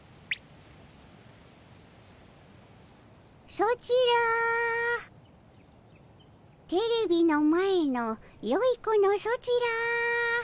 ソチらテレビの前のよい子のソチら。